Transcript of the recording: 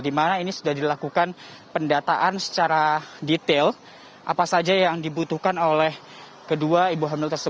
di mana ini sudah dilakukan pendataan secara detail apa saja yang dibutuhkan oleh kedua ibu hamil